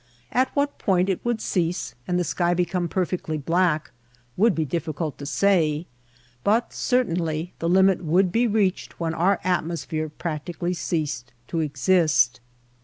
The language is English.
At what point it would cease and the sky become perfectly black would be difficult to say, but certainly the limit would be reached when our atmosphere practically ceased to exist.